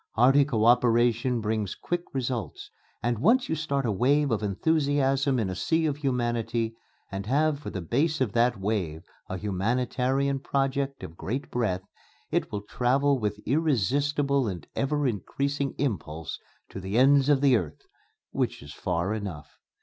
Hearty co operation brings quick results, and once you start a wave of enthusiasm in a sea of humanity, and have for the base of that wave a humanitarian project of great breadth, it will travel with irresistible and ever increasing impulse to the ends of the earth which is far enough.